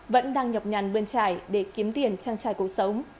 vẫn đang nhọc nhằn bươn trải để kiếm tiền trang trải cuộc sống